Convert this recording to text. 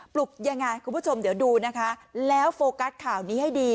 ปลุกยังไงคุณผู้ชมเดี๋ยวดูนะคะแล้วโฟกัสข่าวนี้ให้ดี